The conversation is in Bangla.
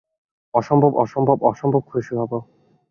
অসম্ভব, অসম্ভব, অসম্ভব খুশি হব।